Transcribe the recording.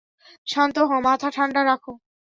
শান্ত হ, মাথা ঠান্ডা রাখ।